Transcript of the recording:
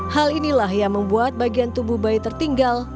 hal inilah yang membuat bagian tubuh bayi tertinggal